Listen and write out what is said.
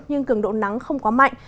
nhưng cường độ nắng không quá mạnh